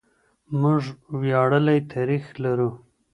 موږ وياړلی تاريخ لرو.